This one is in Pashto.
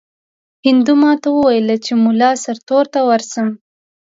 هندو ماته وویل چې مُلا سرتور ته ورشم.